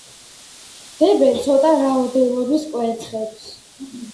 დებენ ცოტა რაოდენობის კვერცხებს.